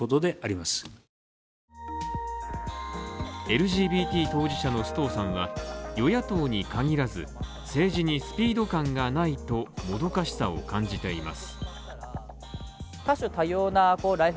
ＬＧＢＴ当事者の須藤さんは与野党に限らず、政治にスピード感がないともどかしさを感じています。